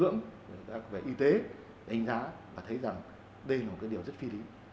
tâm linh như tính ngưỡng về y tế ảnh giá và thấy rằng đây là một điều rất phi lý